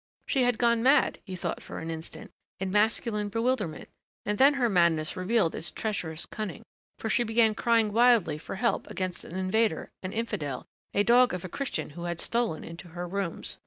She had gone mad, he thought for an instant, in masculine bewilderment, and then her madness revealed its treacherous cunning, for she began crying wildly for help against an invader, an infidel, a dog of a Christian who had stolen into her rooms.